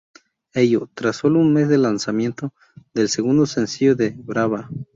Ello, tras sólo un mes del lanzamiento del segundo sencillo de "Brava!